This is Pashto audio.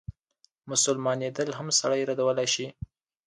مسلمانېدل هم سړی ردولای شي.